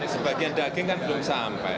sebagian daging kan belum sampai